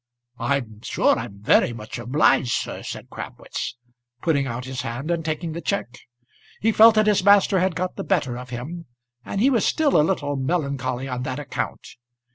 "I'm sure I'm very much obliged, sir," said Crabwitz, putting out his hand and taking the cheque. He felt that his master had got the better of him, and he was still a little melancholy on that account.